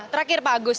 terakhir pak agus